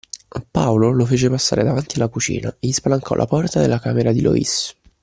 Paolo lo fece passare davanti alla cucina e gli spalancò la porta della camera di Loïs.